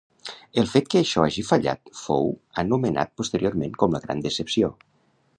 El fet que això hagi fallat fou anomenat posteriorment com la Gran Decepció.